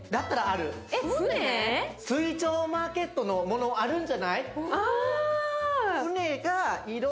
水上マーケットのものあるんじゃない。